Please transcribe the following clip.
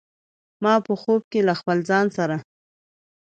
ما په خوب کې د خپل ځان سره